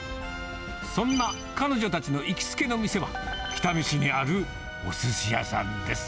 そんな彼女たちの行きつけの店は、北見市にあるおすし屋さんです。